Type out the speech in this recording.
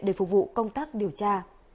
để phục vụ công tác điều tra